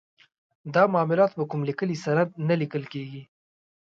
دا معاملات په کوم لیکلي سند نه لیکل کیږي.